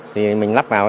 thì mình lắp vào